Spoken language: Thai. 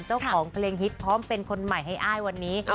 เจ้าของเพลงฮิตพร้อมเป็นคนใหม่ให้อ้ายวันนี้